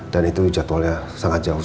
dan itu jadwalnya sangat jauh sekali